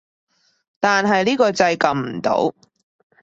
但係呢個掣撳唔到